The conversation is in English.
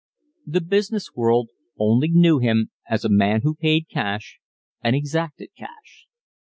The business world only knew him as a man who paid cash and exacted cash.